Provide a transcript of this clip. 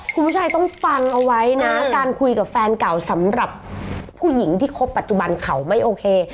คุณผู้ชมต้องฟังเอาไว้นะการคุยกับแฟนเก่าสำหรับผู้หญิงที่คบปัจจุบันเขาไม่โอเค